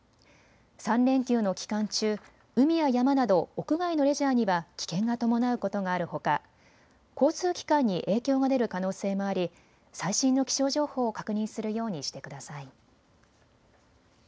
３連休の期間中、海や山など屋外のレジャーには危険が伴うことがあるほか交通機関に影響が出る可能性もあり、最新の気象情報を確認するようにしてください。